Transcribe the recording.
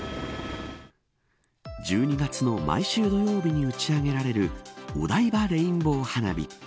１２月の毎週土曜日に打ち上げられるお台場レインボー花火。